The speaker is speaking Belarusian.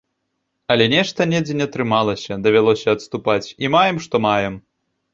Але нешта недзе не атрымалася, давялося адступаць, і маем што маем.